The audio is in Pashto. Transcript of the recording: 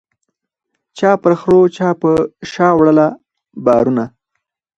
چا پر خرو چا به په شا وړله بارونه